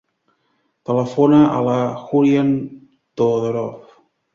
Telefona a la Hoorain Todorov.